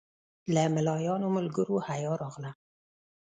له ملایانو ملګرو حیا راغله.